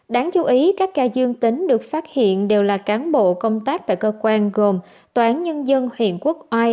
đáng chú ý các ca dương tính được phát hiện đều là cán bộ công tác tại cơ quan gồm tòa án nhân dân huyện quốc oai